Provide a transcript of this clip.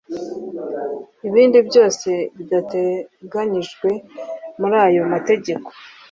Ibindi byose bidateganyijwe muri aya mategeko